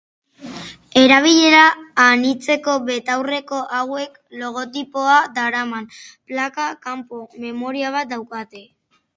Erabilera anitzeko betaurreko hauek, logotipoa daraman plakan, kanpo-memoria bat daukate.